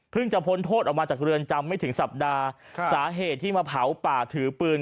จะพ้นโทษออกมาจากเรือนจำไม่ถึงสัปดาห์สาเหตุที่มาเผาป่าถือปืน